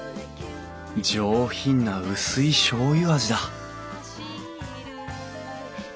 上品な薄いしょうゆ味だ